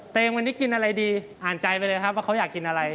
เพลงวันนี้กินอะไรดีอ่านใจไปเลยครับว่าเขาอยากกินอะไร